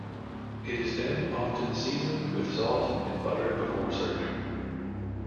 It is then often seasoned with salt and buttered before serving.